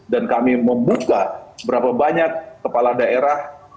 dan kami membuka berapa banyak kepala daerah